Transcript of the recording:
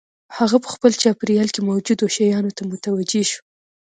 هغه په خپل چاپېريال کې موجودو شيانو ته متوجه شو.